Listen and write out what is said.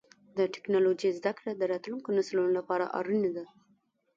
د ټکنالوجۍ زدهکړه د راتلونکو نسلونو لپاره اړینه ده.